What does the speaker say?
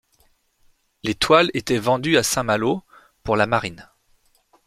Les toiles étaient vendues à Saint-Malo pour la marine.